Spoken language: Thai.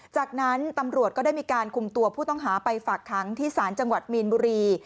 จากนั้นตำรวจก็ได้มีการคุมตัวผู้ต้องหาไปฝากค้างที่ศาลจังหวัดมีนบุรี